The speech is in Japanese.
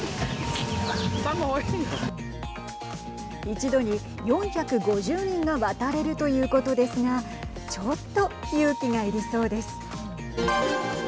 一度に４５０人が渡れるということですがちょっと勇気が要りそうです。